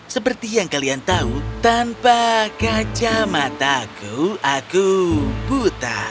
seperti yang kalian tahu tanpa kacamataku aku buta